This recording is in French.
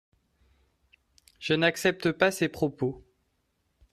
Je n’accepte pas ces propos.